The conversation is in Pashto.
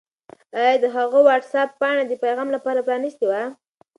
آیا هغه د وټس-اپ پاڼه د پیغام لپاره پرانستې وه؟